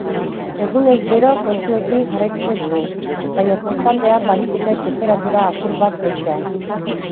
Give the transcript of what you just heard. Egunez bero kontuekin jarraituko dugu, baina kostaldean baliteke tenperatura apur bat jaistea.